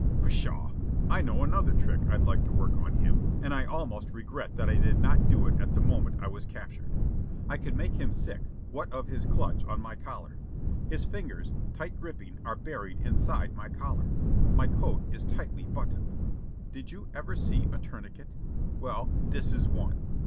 Pshaw! I know another trick I'd like to work on him, and I almost regret that I did not do it at the moment I was captured. I could make him sick, what of his clutch on my collar. His fingers, tight gripping, are buried inside my collar. My coat is tightly buttoned. Did you ever see a tourniquet? Well, this is one.